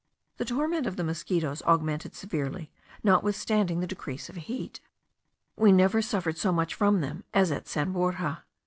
The torment of the mosquitos augmented severely, notwithstanding the decrease of heat. We never suffered so much from them as at San Borja.